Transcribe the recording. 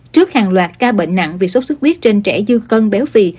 trước hàng loạt ca bệnh nặng vì sốt xuất huyết trên trẻ dư cân béo phì